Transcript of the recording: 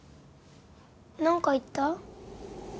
何か言った？